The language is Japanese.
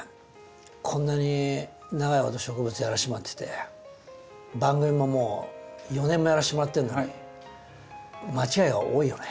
こんなに長いこと植物やらせてもらってて番組ももう４年もやらせてもらってるのに間違いが多いよね。